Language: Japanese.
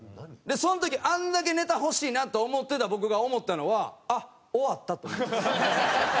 その時あんだけネタ欲しいなと思ってた僕が思ったのはあっ終わったって思ったんです。